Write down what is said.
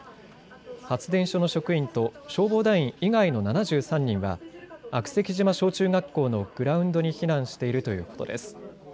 発電所の職員と消防団員以外の７３人は悪石島小中学校のグラウンドに避難しているということです。